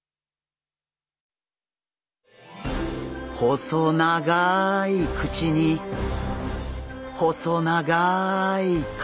細長い口に細長い体。